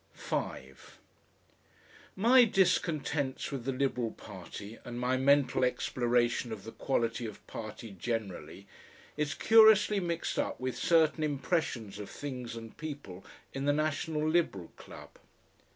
5 My discontents with the Liberal party and my mental exploration of the quality of party generally is curiously mixed up with certain impressions of things and people in the National Liberal Club.